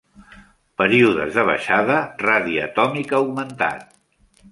Períodes de baixada, radi atòmic augmentat.